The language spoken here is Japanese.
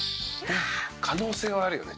可能性はあるよね。